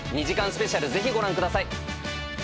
スペシャルぜひご覧ください。